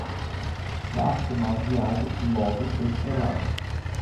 Barco mal guiado, logo estrelado.